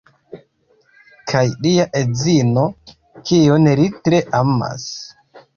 kaj lia edzino kiun li tre amas